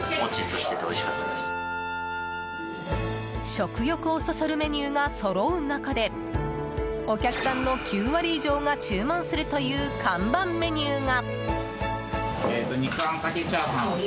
食欲をそそるメニューがそろう中でお客さんの９割以上が注文するという看板メニューが。